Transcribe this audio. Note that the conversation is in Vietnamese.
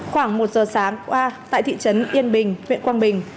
khoảng một giờ sáng qua tại thị trấn yên bình huyện quang bình